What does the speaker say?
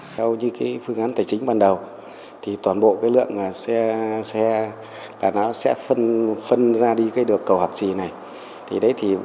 theo như phương án tài chính ban đầu toàn bộ lượng xe đàn áo sẽ phân ra đi cầu hạc trì này